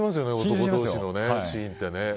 男同士のシーンって。